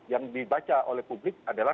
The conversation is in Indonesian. yang dibaca oleh publik adalah